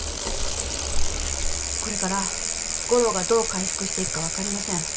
これから吾良がどう回復していくかわかりません。